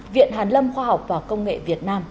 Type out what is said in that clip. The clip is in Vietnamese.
viện hàn lâm khoa học và công nghệ việt nam